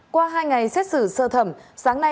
qua hai ngày xét xử sơ thẩm sáng nay